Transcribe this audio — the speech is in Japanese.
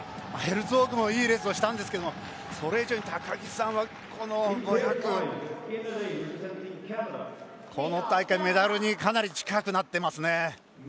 ヘルツォークもいいレースをしたんですけれどもそれ以上に高木さんはこの５００、この大会メダルにかなり近くなってますね。